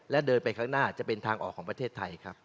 และเดินไปข้างหน้าจะเป็นทางออกของประเทศไทยครับ